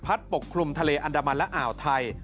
ปกคลุมทะเลอันดามันและอ่าวไทย